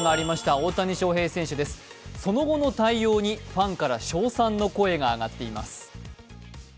大谷翔平選手です、その後の対応にファンから称賛の声が上がっています。